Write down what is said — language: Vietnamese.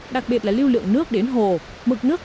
đặc biệt là lưu lượng nước đến hồ mực nước